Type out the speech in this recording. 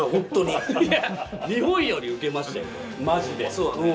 そうだね。